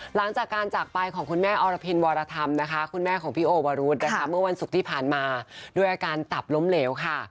หลังจากการจากไปของคุณแม่อรพินวรธรรมนะคะคุณแม่ของพี่โอวรุธนะคะเมื่อวันศุกร์ที่ผ่านมาด้วยอาการตับล้มเหลวค่ะ